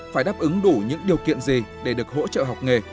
phải đáp ứng đủ những điều kiện gì để được hỗ trợ học nghề